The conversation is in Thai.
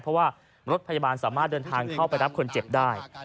เพราะว่ารถพยาบาลสามารถเดินทางเข้าไปรับคนเจ็บได้